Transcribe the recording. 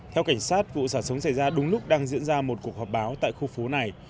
theo cảnh sát vụ xả súng xảy ra đúng lúc đang diễn ra một cuộc họp báo tại khu phố này